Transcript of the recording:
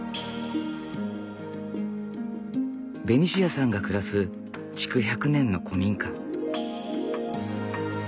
ベニシアさんが暮らす築１００年の古民家。